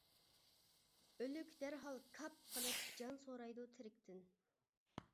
ئۆلۈك دەرھال «كاپ» قىلىپ، جان سورايدۇ تىرىكتىن.